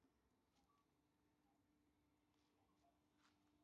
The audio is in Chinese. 其剩下的两名力士搬到了桐山马厩。